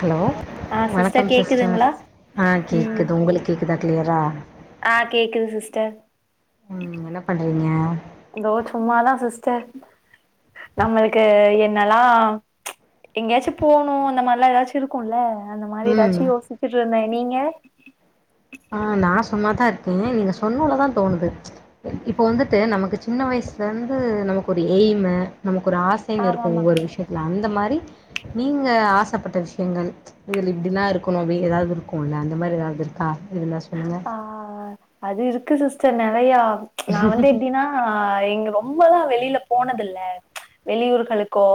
Hello வணக்கம் sister ஆஹ் ம் கேக்குது உங்களுக் கேக்குதா க்ளியரா ஆ கேக்குது சிஸ்டர் ம் என்ன பண்றீங்க தோ ச்சும்மாதா சிஸ்டர் நம்மளுக்கு என்னல்லா ச் எங்கயாச்சு போணு இந்த மாரிலா எதாச்சு இருக்குல அந்த மாரி ம் எதாச்சு யோசிச்சுட்டுருந்தே நீங்க ஆ நா சு சும்மா தாருக்கே நீங்க சொன்னலதா தோணுது இப்ப வந்துட்டு நமக்கு சின்ன வயசுலருந்து நமக்கு ஒரு எய்மு நமக் ஒரு ஆசைனு ஆமா இருக்கு ஆமா ஒவ்வொரு விஷயத்துல அந்த மா ரி நீங்க ஆசைப்பட்ட விஷயங்கள் இதுல இப்டிலா இருக்கணு அப்டினு எதாவது இருக்குல அந்த மாரி எதாவது இருக்கா இருந்தா சொல்லுங்க ருக்கு சிஸ்டர் நறையா ஓ கே நா வந்து எப்டினா எங்க ரொம்பலா வெளில போனதில்ல வெளியூர்களுக்கோ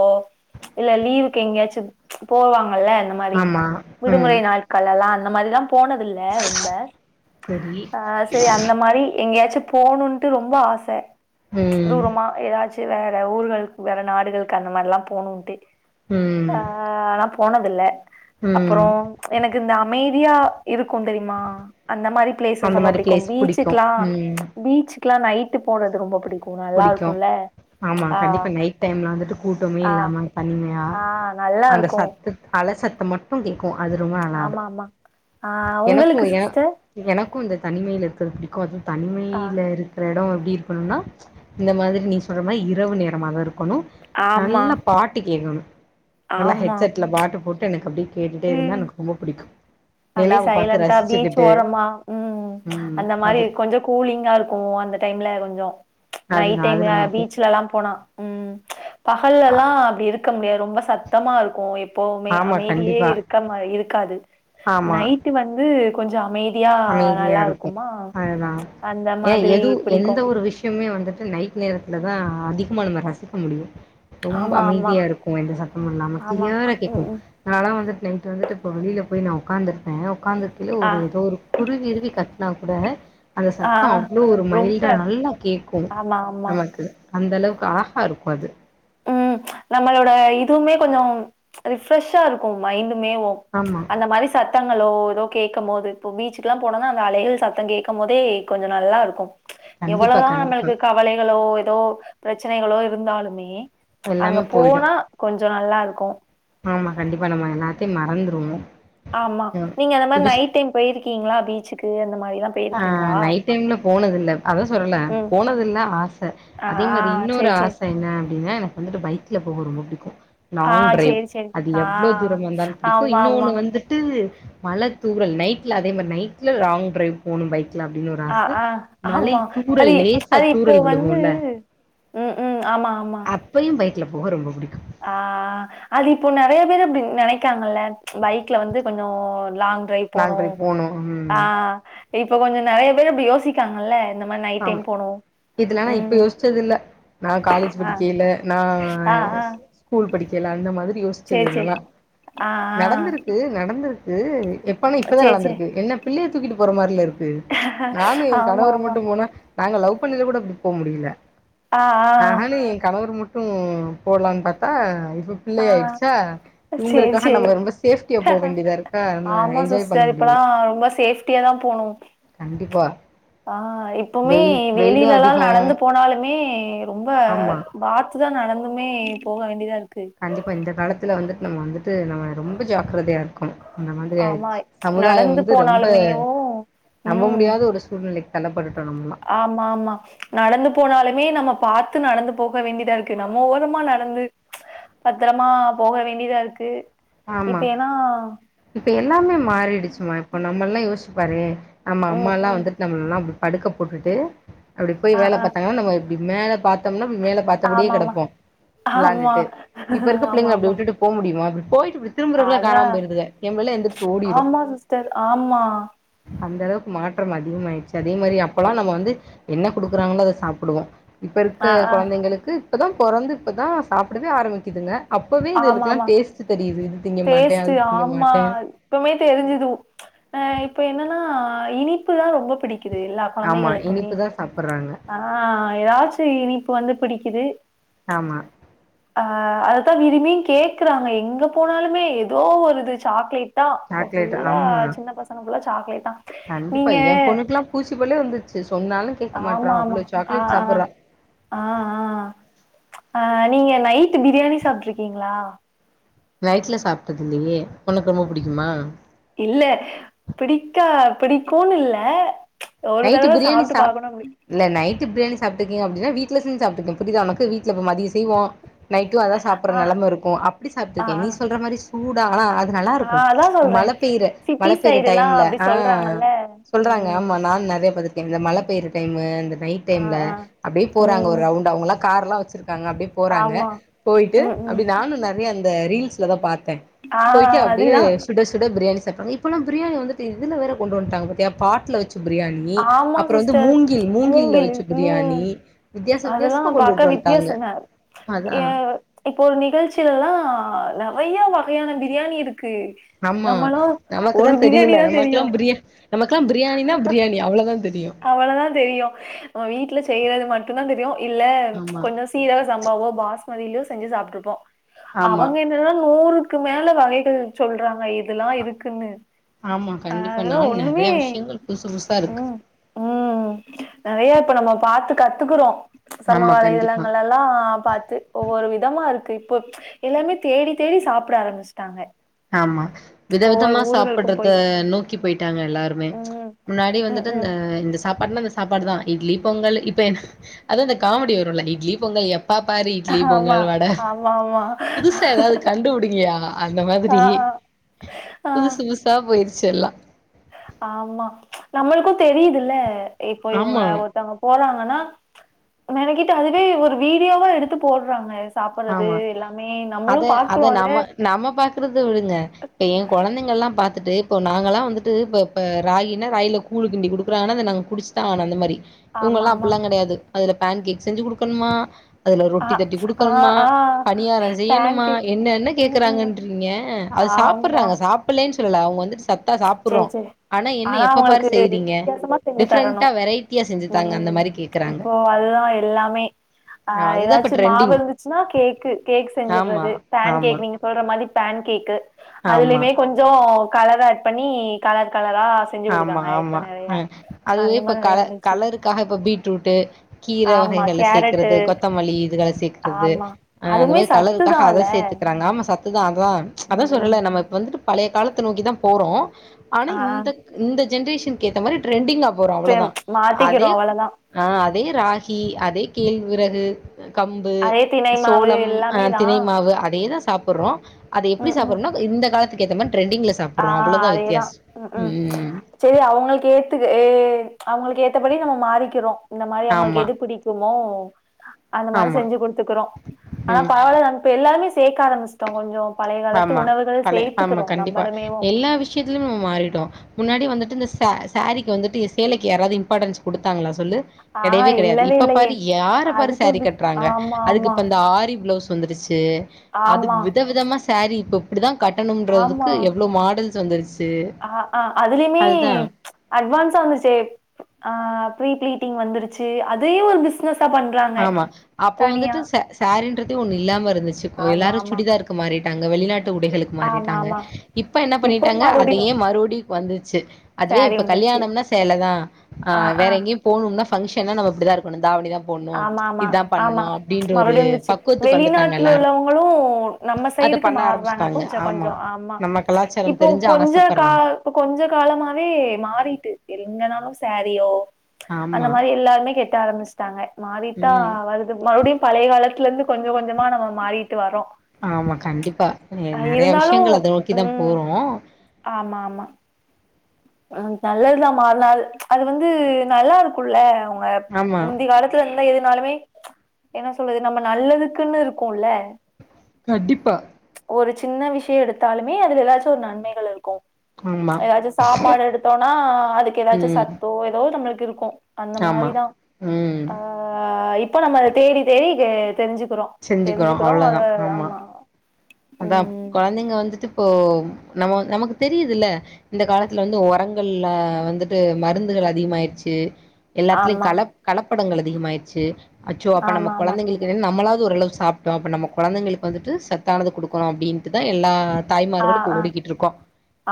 இல்ல லீவுக்கெங்யாச்சு போவாங் [unintelligible] இந்த மாரி ஆமா ம் விடுமுறை நாட்களேலா அந்த மாரி தா போனதில்ல ரொம்ப சரி அ செரி அந்த மாரி எங்கேயாச்சு போணுன்ட்டு ரொம்ப ஆச ம் தூரமா எதாச்சு வேற ஊர்களுக்கு வேற நாடுகளுக்கு அந்த மாரிலா போணுன்ட்டு ஆ ம் ஆனா போனதில்ல அப்றோ ம் எனக்கு இந்த அமை தியா இருக்கு தெரியுமா அந்த மாரி பிளேசஸ் அந்த ரொம்ப மாரி பிடிக்கு பிளேஸ் புடிக்கு பீச்சுக்கலா ம் பீச்சு க்லா நைட்டு போனது ரொம்ப பிடிக் பிடிக்கு ஆமா கண்டிப்பா நைட் டைம்ல வந்துட்டு கூட்டமே ஆ இல்லாமா தனிமையா ஆ நல்லா அந்த சத்தத் அல சத் அத மட்டு கேக்கு அது ரொம்ப நல்லா இருக்கு ஆமாமா ஆ உங்களுக்கு சிஸ்டர் கொஞ்சோ தனிமையில இருக்கறது புடிக்கு அது ஆ தனிமையில இருக்கிற எடோ எப்டி இருக்கணுனா இந்த மாதிரி நீ சொல்ற மாரி இரவு நேரமாதா இருக் கணு ஆமா நல்லா பாட்டு கேக்கணு நல்லா ஆமா ஹெட்செட்ல பாட்டு போட்டு எனக்கு அப்டி கேட்டுட்டே இருந்தா ம் எனக்கு ரொம்ப புடிக்கு அப்டியே நிலாவ பாத்து சைலண்டா பீச் ரசிச்சுக்கிட்டு ஓரமா ம் ம் அந்த மாரி அது கொஞ்சோ கூலிங்கா இருக்கு அந்த டைம்ல கொ சோ அதுதா நைட் அது டைம்ல நல்லா இருக்கு பீச்லல்லா போனா ம் பகல்ல எல்லா அப்டி இரு க்க முடியாது ரொம்ப சத்தமா இருக்கு எப்வுமே ஆமா அமைதியே கண்டிப்பா இருக்க மா இரு க்காது ஆமா நைட்டு வந்து கொஞ்சோ அமை அமைதியா இருக்கு அதுதா அந்த ஏ மாதிரி எது பிடிக்கு எந்த ஒரு விஷ்யமே வந்துட்டு நைட் நேரத்துலதா அதி கமாலுமே ரசிக்க முடியு ரொம்ப ஆமா ஆமா அமைதியா இருக்கு எந்த சத்தமு இல்லாம ஆமா கிளியரா கேக்கு ம் ம் அதனால வந்து நைட்டு வந்துட்டு இப்போ வெளில போயி நா உக்காந்துருப்பேன் உக்காந்த கீழ ஆ ஒரு எதோ ஒரு குருவி இருவி கத் நாவு கூடே அந்தே ஆ சத்தோ அவ்ளோ ஒரு ரொம்ப மைல்ட்டா நல்லா கேட்கோ ஆமா ஆமா நமக்கு அந்தளவுக்கு ஆஹா இருக்கோ அது ம் ச்ச நம்மளோட இதுவுமே கொஞ்சோ ச்ச ரிஃப்ரெஷ்ஷா இருக்கோ மைண்ட்டு மேவோ ச்ச ஆமா அந்தே மாரி சத்தங்களோ றோ கேக்கம்மோது இப்போ பீச்சுக்குலா போனோனா அந்தே அலைகள் சத்தங் கேக்கம் மோதே கொஞ்சோ நல்லாலிருக்கு ச்ச கண்டிப்பா எவளோதா கண்டிப்பா நம்மளுக்கு கவலைகளோ இ தோ பிரச்சனைகளோ இருந்தாலுமே அங்க எல்லாமே போயிடு போனா கொன் சொ நல்லா இருக்கு ஆமா கண்டிபா நம்ம எல்லாத்தையு மறந்துருவோ ஆமா ம் நீங்க அந்த மாரி நைட் டைம் போயிருக்கீங்களா பீச்சுக் [unintelligible] ஆஹ் நைட் டைம்ல போனதில்ல அதா சொல்றல ம். போனதில்ல ஆச ஆ அதே மாரி இன்னொரு சரி, சரி. ஆச என்ன அப்டின்னா எனக்கு வந்துட்டு பைக்ல போக ரொம்ப பிடிக்கு ஆ லாங் டிரைவ் சரி, சரி. அது ஆ எவ்ளோ தூரம் வந்தாலு பிடிக்கு இன்னொண்ணு ஆமாமா. வந்துட்டு மல தூரல் நைட்ல அதே மாரி நைட்ல லாங் டிரைவ் போணும் பை அஹ் ஆஹ் ஆமா தூறல் அது லேசா அது இப்போ தூறல் வந்து விழுகுல்ல உம் உம் ஆமா ஆமா க்ல போக ரொம்ப பிடிக் ஆஹ் அது இப்போ நறைய பேரு அப்டி நெனைக்காங்கல்ல பைக்ல வந்து கொஞ்சோ லாங் ட்ரைவ் போனு லாங் டிரைவ் போணு ம் ஆஹ் இப்ப கொஞ்சொ நெறய பேர் அப்டி யோசிக்காங்கல்ல இந்த மாரி நைட் டைம் ஆமா போனு இதுல நா இப்ப ம் யோச்சதுல்ல நா காலேஜ் ஆ படிக்கைல நா ஆ ஆ ஸ் ஸ்கூல் படிக்கைல அந்த மாதிரி யோச்சது சேரி சேரி இதுல்லா ஆ நடந்துருக்கு நடந்துருக்கு எப்பனா ஆ இப்பதா சேரி சேரி நடந்துருக்கு என்னப் பிள்ளைய தூக்கிட்டு போற மாரில இருக் கு நானு என் ஆமா கணவரு ஆமா மட்டு போனா நாங்க லவ் பண்ணது கூட அப்டி போ முடில ஆஹ் ஆஹ் ட்டு போடலானு பாத்தா இ ப்ப பிள்ள ஆ ஆயிடுச்சா ஆ சேரி இவங்களுக்காக சேரி நம்ம ரொம்ப சேஃப்டியா போ வேண்டியதா இருக்கா நா என்ஜாய் பண்ண முடியல ட்டிய தா போணு கண்டிப்பா ஆஹ் எப்பவுமே வெயில் வெயிலு வெளிலலா அதிகோ நடந்து போனாலுமே ரொம்ப ஆமா பாத் தா நடந்துமே போக வேண்டியதா இருக் கண்டிப்பா இந்த காலத்துல வந்து நம்ம வந்துட்டு நம்ம ரொம்ப ஜாக்ரதையா இருக்கணு அந்த மாதிரி ஆமா ஆயிடுச்சு சமுதாய நடந்து வந்து ரொம்ப போனாலுமேவு நம்ப ம் முடியாத ஒரு சூழ்நிலைக் தல்லப்படு ஆமா ஆமா நடந்து போனாலுமே நம்ம பாத்து நடந்துப் போக வேண்டிதா இருக்கு நம்ம ஓரமா நடந்து பத்ரமா போக வேண்டிதா இருக்கு ஆமா இப்ப ஏன்னா இப்ப எல்லாமே மாறிடுச்சுமா இப்ப நம்மல்லாம் யோசி பாரே ஆமா அம்மா ம் லா ம் வந்துட்டு நம்மல்லாம் படுக்க போட்டுட்டு அப்டி போய் ஆ வேலை ஆ பாத்தாங்கன்னா நம்ம இப்டி மேல பாத்தோம்னா மேல பாத்தபடியே ஆமாமா கிடப்போம் ஆமா விளாண்டுட்டு இப்ப இருக்க பிள்ளைங்கள அப்டி ஆமாமா விட்டுட்டு போக முடியுமா போய் இப்டி திரும்புருக்குள்ள காணாம அதான் போயிருதுகா எம் புள்ள எந்திரிச்சு ஓடிரும் ஆமா சிஸ்டர் ஆமா அந்த அளவு மாற்றம் அதிகமாயிடுச்சு அதே மாரி அப்பல்லாம் நம்ம வந்து என்ன குடுக்கறாங்களோ அத சாப்புடுவோம் இப்போ இருக்க ஆ ஆ குழந்தைங்களுக்கு இப்போதான் பொறந்து இப்போதான் சாப்டவே ஆரம்பிக்குதுங்க அப்பவே இதுகலுக்லாம் ஆமாமா டேஸ்ட் தெரியுது திங்க மாட்டே அது டேஸ்ட்டு திங்க ஆமா மாட்டே இப்பமே தெரிஞ்சுது அஹ் இப்ப என்னன்னா அ இனிப்பு தா ரொம்ப பிடிக்குது எல்லா ஆமா குழந்தைகளுக்குமே இனிப்புதா சாப்புட்றாங்க ஆஹ் ஏதாச்சு இனிப்பு வந்து பிடி க்குது ஆமா ஆஹ் அது விரும்பியும் கேக்குறாங்க எங்க போனாலுமே ஏதோ ஒரு இது சாக்லேட் இப்பதான் இப்ப சாக்லேட் ஃபுல்லா ஆமா சின்ன பசங்க ஃபுல்லா சாக்லேட் தா கண்டிப்பா நீங்க ஏன் பொண்ணுக்குலாம் பூச்சி பல்லே வந்துச்சு சொன்னாலும் கேக்க மாட்றா ஆமா ஆமா அவ்ளோ ஆஹ் சாக்லேட் ஆஹ் சாப்புட்றா ஆஹ் ஆஹ் அஹ் நீங்க நைட் பிரியாணி சாப்டுருக்கீங்களா நைட்ல சாப்ட்டது இல்லையே உனக்கு ரொம்ப புடிக்குமா இல்ல பிடிக்கா பிடிக்குனு இல்ல ஒரு நைட்டு தடவ பிரியாணி சாப்ட்டு சாப் பாக்கணும் அப்டி இல்ல நைட்டு பிரியாணி சாப்ட்ருக்கீங்களா அப்டி ஏன் வீட்டுல செஞ்சு சாப்ட்டுக்க புரியதா உனக்கு வீட்டுல இப்ப மதியம் செய்வோம் நைட்டும் அதான் சாப்புடுற ஆ நெலம இருக்கும அப்டி ஆ சாப்ட்ருக்கேன் நீ சொல்ற மாரி கூடா அது நல்லா ஆ இருக்கும் அதா சொல்றே மல பெய்ற சிட்டி மல பெய்ர சைடுல்லா டைம்ல அப்டி ஆஹ சொல்றாங்கல்ல சொல்றாங்க ம் ஆமா நானு இந்த [unintelligible] மழ பேயிற டைமு இந்த நைட் ஆ டைம்ல ஆ அப்டியே போறாங்க ஒரு ம் ரவுண்ட் அவங்கள கார்லா வெச்சிருக்கு காங்க அப்டே போறாங்க ஆமா போயிட்டு ம் ம் அப்டி நானு நெறைய அந்த இந்த ரீல்ஸ்ல எதோ பாத்து ஆ [unintelligible] போயிட்டு அப்டியே அதுதா சுட சுட பிரியாணி இப்பல்லா பிரியாணி வந்துட்டு இதுல வேற கொண்டு வன்ட்டாங்க பாத்தியா பாட்ல வச்சு பிரியாணி ஆமா அப்றோ வந்து சிஸ்டர் மூங்கில் மூங்கில்ல மூங்கிலு வச்சு ம் பிரியாணி வித்தியாச அதெல்லா வித்தியாசமா கொண்டுட்டு பாக்க வித்தியாச வந்ட்டாங்க தா அதா ஆ இப்போ நிகழ்ச்சிலலா [unintelligible] வகையான பிரியாணிருக்கு ஆமா நமக்கு தான் பிரியாணி தெரில தா நமக்குல்லா பிரியா நமக்குலா பிரியாணினா பிரியாணி அவ்ளோதா தெரியு அவ்ளதா தெரியு நம்ம வீட்டுல செ செய்றது மட்டுத் தான் தெரியும் இல்ல ஆமா கொஞ்ச சீரக சம்பவு பாஸ்மதிலோ செஞ்சு சாப்டுருப்போ ஆமா அவங்க என்னான்னா நூறுக்கு இக்கு மேல வகைகள் சொல்றாங்க இது ஆ ஆமா கண்டிப்பா அதெல்லாம் நானு ஒண்ணுமே நெறைய விஷயங்கள் பசு புஸ் ம் ம் நெறையா இப்ப நம்ம பாத்து கத்துக்குறோ சமூக ஆமா கண்டிப்பா வலைதளங்களலா எ பாத்து ஒவ்வொரு விதமா இருக்கு இப்ப எல்லாமே தேடி தேடி சாப்ட ஆரம்பிச்ட்டாங்க ஆமா விதவிதமா சாப்புட்றத போய். நோக்கி போயிட்டாங்க எல்லாருமே ம். முன்னாடி முன்னாடி ம், வந்துட்டு ம். இந்த இந்த சாப்பா பண்ண அந்த சாப்பாடு தா இட்லி பொங்கல் இப்ப அது அந்த காமெடி வருல்ல இட்லி பொங்கல் எப்ப பாரு இட்லி ஆமா. பொங்கல் வட ஆமாமா. புதுசா எதாது கண்டுபுடிங்கயா அந்த மாதிரி ஆ, ஆ. [unintelligible] ஆ புதுசு புதுசா போயி ச்செல்லா ஆமா நம்ளுக்கு தெரியுதுல்ல இப்ப இவங்க ஆமா ஒருத்தவங்க போறாங்க ஆனா மெனக்கெட்டு அதுவே ஒரு வீடியோவா எடுத்து போட்றாங்க ஆமா அத அத நம்ம நம்ம பாக்குறத விடுங்க ஏன் கொழந்தங்கெல்லா பாத்து பாத்துட்டு இப்போ நாங்கெல்லா வந்துட்டு இப் இப்ப ராகினா ராகில கூழு கின்டி குடுக்குறாங்கனா அத நாங்க குடிச்சுதா ஆகனு அந்த மாரி ஆமா இவங்கெல்லா ஆமா அப்பெல்லா கெடயாது அதுல பேன் கேக் செஞ்சு குடுக்கணுமா அதுலே ஆ ரொட்டி தட்டி குடு ஆ கணுமா ஆ பணியாரோ பேன் செய்யணுமா கேக் என்னே என்னே ம் ம் கேக்குறாங்கன்றீங்கே அது சாப்புட்டுறாங்கே சாப்பில்லே ன் சொல்லலே அவுங்கே வந்துட்டு சப் ச்ச செரி செரி ஆனா அவங்களுக்கு செய்றீங்க வித்தியாசமா செஞ்சி தரணு டிஃப்ரெண்ட்டா வெரைட்டியா செஞ்சு தாங்க ம் அந்த மாரி ச்ச கேக்குறாங்க இப்போ அதுதா எல்லாமே ஆ அதுதா இப்ப எதாச்சும் ட்ரெண்டிங் மாவிழுந்து ச்சுனா கேக்கு கேக் ஆமா செஞ்சுறது பேன் ஆமா கேக் நீங்கே சொல்ற மா அது பேன் கேக்கு ஆமா அதுலயுமே கொஞ்சோ கலரா பண்ணி கலக் ஆமா ஆமா அ அதுவே அந்த இப்ப மாரி நெறைய கல வந்துருச்சு கலருக்காக இப்ப பீட்ரூட் கீர ஆமா வகைகள்ள கேரட்டு சேக்கறது கொத்தமல்லி இதுகள சேக்குனறது ஆமா அ அந்த அதுவுமே மாரி கலருக்காக அத சத்துதான்ல சேத்துகறாங்க ஆமா சத்துதா அதா அதா ம் ம் சொல்றேன்ல நம்ம இப்ப வந்துட்டு பழைய காலத்த நோக்கிதா போறோ ஆனா ஆ இந்த இந்த ஜென்ரேஷனுக்கு ஏத்த மாரி டிரெண்டிங்கா மாத்திக்கிறோ அவ்ளதா ஆ அதே ராகி அதே கேழ்விறகு கம்பு, அதே தினை மாவு சோளம் அ எல்லாமே தா தினை மாவு அதேதா சாப்புறோ அது எப்டி ம் ம் சாப்றோனா இந்த காலத்து எதமன் ட்ரெண்டிங்ல சாப்றோ அவ்ளோதா வித்யாசோ ம் சேரி அவுங்களுக்கு ஏத்துக்க ஏ அவுங்களுக்கு ஏத் படி நம்ம மாறிக்கிறோ இந்த மாரி ஆமா அவுங்களுக்கு எது பிடிக்கு வாவ் அந்த மாரி ஆமா செஞ்சு குடுத்துக்கறோ ஆனா ம் பரவால்ல நாங் இப்ப எல்லாமே செ கேக்க ஆரம்ச்சிட்டோ கொஞ்சோ பழைய காலத்து ஆமா உணவுகள் பழைய ஆமா சேரத்துக்கிறோ நம் கண்டிப்பா எல்லா விஷியத்திலமே நம்ம மாறிட்டோ முன்னாடி வந்துட்டு இந்த ச சாரீக்கு வந்துட்டு சேலைக்கு யாராவது இம்பார்டன்ஸ் குடுத்தாங்ளா சொல்லு ஆ கெடையவே கெடையாது இல்லவே இப்ப இல்லையே. பாரு யார பாரு அதுக்கு ஒரு சாரி பிஸ் கட்டுறாங்க ஆமா, அதுக்கு ஆமா, இப்ப அந்த ஆரி பிளவுஸ் வந்திருச்சு து அதுக்கு ஆமா, வித விதமா ரி இப்ப இப்டிதா கட்டணும்ன்றதுக்கு எவ்ளோ மாடல் வந்துருச் அ அ அதுலயுமே அட்வான்ஸ் வந்துருச்சு ஆ ப்ரீ பிளீட்டிங் வந்துருச்சு அதே ஒரு பிசினஸ் ஆமா அப்போ வந்துட்டு சே சேரின்றதே ஒண்ணு இல்லாம இருந்துச்சு ஆமா எல்லாரு ஆமா சுடிதார்க்கு மாறி டாங்க வெளிநாட்டு உடைகளுக்கு ஆமா மாறிட்டாங்க ஆமா இப்ப என்ன இப்போ பண்ணிட்டாங்க அதையே மறுபடியும் மறுவ்டி வந்துச்சு அதுவே சாரி இப்ப வந்துருச்சு கல்யாணம்னா சேலதா ஆ வேறெங்கயு போணும்னா பங்க்ஷன்னா நாம இப்பிடிதா இருக்கணு தாவணிதா போட்ணு ஆமா ஆமா இதா ஆமா பண்ணணு அப்டின்ற ஒரு மறுடியு வந்துச்சு பக்குவத்துக்கு வந்துட்டாங்க வெளிநாட்டுல எல்லாரு உள்ளவங்களு நம்ம அத சைடுக்கு பண்ண மார்றாங்க ஆரம்பிச்சுட்டாங்க கொஞ்ச கொஞ்ச ஆமா நம்ம கலாச்சாரம் இப்போ தெரிஞ்சு கொஞ்ச கா ஆசப்பட்றாங்க கொஞ்ச காலமாவே மாறிட்டு எங்கனாலு சேரியோ அந்த ஆமா மாரி எல்லாருமே கட் ட ஆரம்பிச்டாங்க மாறித்தா ம் வருது மறுவுடியு பழைய காலத்துல இருந்து கொஞ்ச கொஞ்சமா நம்ம மாறி ஆமா கண்டிப்பா நெறையா இருந்தாலு விஷயங்கள் அத நோக்கிதா ம் போறோ ஆமா ஆமா ம் நல்லதுதா மாறுனால் அது வந்து நல்லாருக்குல்ல க ஆமா முந்தயகாலத்துல இருந்து எது னாலுமே ம்ச் என்ன சொல்றது நம்ம நல்லதுக்குன்னு இருக்குல்ல கடிப்பா ஒரு சின்ன விஷ்யோ எடுத்தாலுமே அதுல எதாச்சு ஒரு நன்மைகள் இருக்கு ஆமா ஏதாச்சு சாப்பாடு எடுத்தோனா அதுக்கு எதாச்சு ம் சத்தோ எதோ து நம்மளுக்கு இருக்கு அந்த ஆமா மாரதா ம் ஆ இ இப்ப நம்ம அத தேடி தேடி கே தெரிஞ்சு அப்றோ தெரிஞ்சுக்கிறோ அத ஆமா அதாம் ம் குழந்தைங்க வந்துட்டு இப்போ நம்மோ நமக்கு தெரியுதுல இந்த காலத்துல வந்து உரங்கள்ல வந்துட்டு மருந்துகள் அதிகமாயிருச்சி எல்லாத்துலயும் ஆமா கலப் கலப் படங்கள் அதிகமாயிடுச்சு அச்சோ அப்ப நம்ம ஆமா ஆமா கொழந்தைகளுக்கு நம்மளாவது ஓரளவு சாப்டோம் நம்ம குலந்தைகளுக்கு வந்துட்டு சத் தானது குடுக்கணும் அப்டின்ட்டுதா எல்லா ஆ தாய்மார்கலு இப்போ ஆ ஓடிக்கிட்ருக்கோம்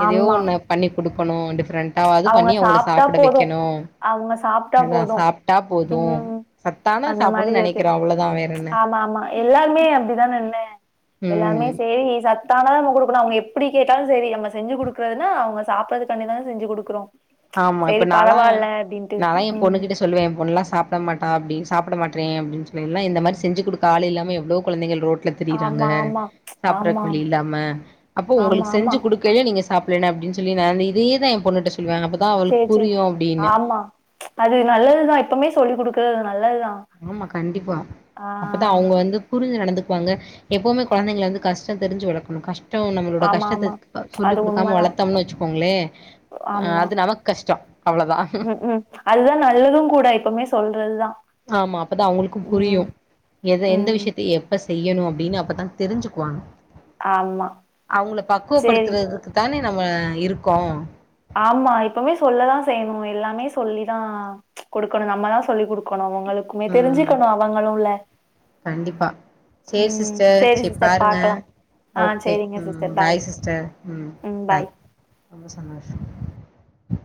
எதையோ ஆமா ஒன்ன பண்ணி கொடுக் பண்ணுவோ டிஃப்ரென் அவங்க சாப்ட்டா போதும் அவங்க சாப்ட்டா அதா போதும் சாப்ட்டா போது உம் சத்தான அந்த மாரி சாப்புட்ணுன் இருக்கு நெனைக்கிறோ அவ்ளோதா வேற என்ன ஆமா ஆமா எல்லாருமே அப்டிதானன்னே ம் எல்லாமே சேரிங்க இ சாத் தானா நம்ம குடுக்கனும் அவங்க எப்டி கேட்டாலும் சரி நம்ம செஞ்சு குடுக்குறனா அவங்க சாப்டுரகாண்டிதான செஞ்சுகொடுக் குறோம் ஆமா இப்ப நாலாம் நாஅதா என் ம் பொண்ணுகிட்ட சொல்லுவேன் என் பொண்ணுல்லா சாப்பிடமாட்ட அப்படி சாப்டமாட்ரேயேயப்டின்னு சொல்லிலா இந்த மாதிரி செஞ்சு கொடுக்க ஆளு இல்லாம எவ்ளோ குழந்தைகள் ரோட் சிலர்திரியிராங்க ஆமா ஆமா ஆமா சாப்டவழியில்லாமா அப்ப ஆமா உங்களுக்கு ஆமா செஞ்சு கொடுக்கையிலே நீங்க சாப்டலனாயெப்டினு சொல்லி நானு இதையேதான் என் பொண்ணுட்ட சொல்லுவ அப்ப செர் செர் ஆமா அது நல்லதுதா இப்போமே சொல்லிக்கொடுக் து நல்லதுதா ஆமா கண்டிப்பா ஆ அப்பதான் அவங்க வந்து புரிஞ்சுநடந்துக்குவாங்க எப்போவுமே குழந்தைங்களவந்து கஷ்டம் தெரிஞ்சு வளக்கணும் கஷ் [unintelligible] நம்மளோட ஆமா ஆமா கஷ்டத்த சொல்லி அது கொடுக்காம உண்மதா வளத்தோம்னு வச்சுக்கோங்களே அஹ் அது நமக்கு கஷ்டம் உம் உம் அதுதான் நல்லதுகூட எப்பவுமே சொல்றதுதா ஆமா அப்பதான் அவங்களுக்கும் ம் புரியும் எத எந்த ம் விஷயத்த எப்ப செய்யணு அப்டின்னு அப்பதா தெரிஞ்சுகுவாங்க ஆமா அவங்கள சேரி பக்குவப்படுத்துறதுக்கு தானே நம்ம இருக்கோ ஆமா இப்பமே சொல்லதா செய்யணு எல்லாமே சொல்லி தா குடுக்கணு நம்மதா சொல்லி் குடுக்கணு ங்களுக்குமே ம் தெரிஞ்சுகணு அவங்களுல கண்டிப்பா சேரி சிஸ்டர் சேர் பாருங்க ஆ ஓகே சேரிங்க உம் சிஸ்டர் பாய் சிஸ்டர் உம் பாய் ரொம்ப சந்தோஷோ